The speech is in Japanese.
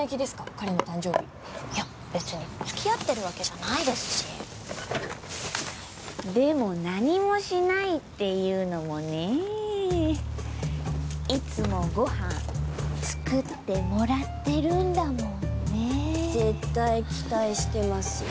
彼の誕生日いや別につきあってるわけじゃないですしでも何もしないっていうのもねいつもごはん作ってもらってるんだもんね絶対期待してますよ